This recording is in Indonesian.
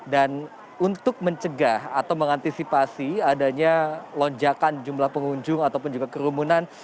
dan untuk mencegah atau mengantisipasi adanya lonjakan jumlah pengunjung ataupun juga kerumunan